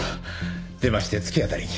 出まして突き当たりに。